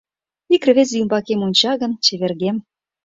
Ик рвезе ӱмбакем онча гын, чевергем